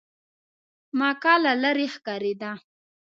مکه له لرې ښکارېده.